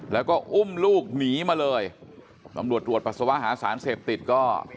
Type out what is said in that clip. แล้วก็อุ้มลูกหนีมาเลยตำรวจตรวจปัสสาวะหาสารเสพติดก็